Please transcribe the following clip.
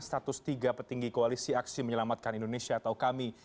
status tiga petinggi koalisi aksi menyelamatkan indonesia atau kami